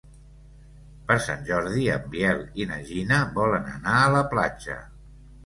Per Sant Jordi en Biel i na Gina volen anar a la platja.